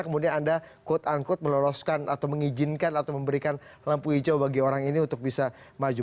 kemudian anda quote unquote meloloskan atau mengizinkan atau memberikan lampu hijau bagi orang ini untuk bisa maju